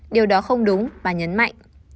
điều đó không đúng bà nhấn mạnh